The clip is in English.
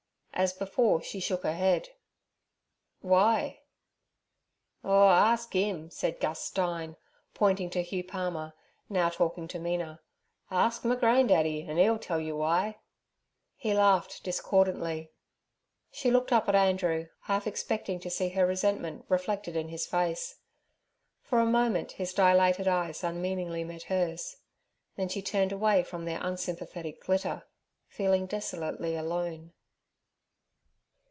As before, she shook her head. 'Why?' 'Oh, ask 'im' said Gus Stein, pointing to Hugh Palmer, now talking to Mina—'ask my grandaddy, and 'e'll tell you why.' He laughed discordantly. She looked up at Andrew, half expecting to see her resentment reflected in his face. For a moment his dilated eyes unmeaningly met hers; then she turned away from their unsympathetic glitter, feeling desolately alone.